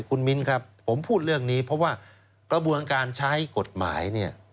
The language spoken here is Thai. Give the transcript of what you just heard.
คุณมิ้นครับผมพูดเรื่องนี้เพราะว่ากระบวนการใช้กฎหมายเนี่ย